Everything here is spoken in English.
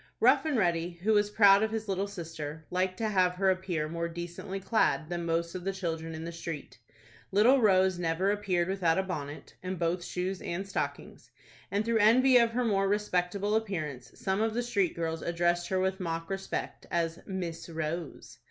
Rough and Ready, who was proud of his little sister, liked to have her appear more decently clad than most of the children in the street. Little Rose never appeared without a bonnet, and both shoes and stockings, and through envy of her more respectable appearance, some of the street girls addressed her with mock respect, as Miss Rose.